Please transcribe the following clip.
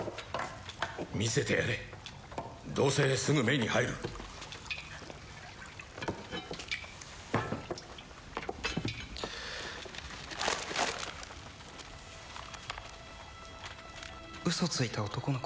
見せてやれどうせすぐ目に入る「嘘ついた男の子？」